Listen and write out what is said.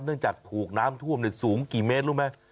จากถูกน้ำท่วมสูงกี่เมตรรู้ไหม